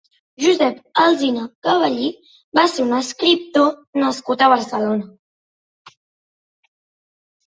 Josep Alsina Gebellí va ser un escriptor nascut a Barcelona.